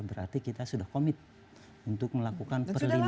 berarti kita sudah komit untuk melakukan perlindungan